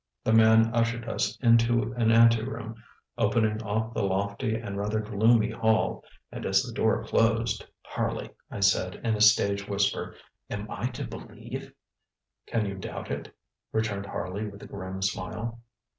ŌĆØ The man ushered us into an anteroom opening off the lofty and rather gloomy hall, and as the door closed: ŌĆ£Harley, ŌĆØ I said in a stage whisper, ŌĆ£am I to believe ŌĆØ ŌĆ£Can you doubt it? ŌĆØ returned Harley with a grim smile.